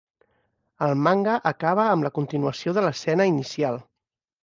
El manga acaba amb la continuació de l'escena inicial.